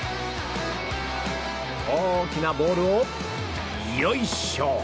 大きなボールをよいしょ！